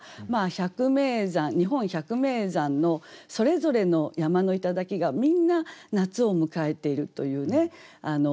百名山日本百名山のそれぞれの山の頂がみんな夏を迎えているというね。